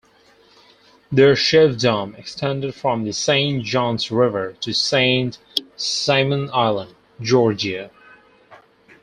Their chiefdom extended from the Saint Johns River to Saint Simons Island, Georgia.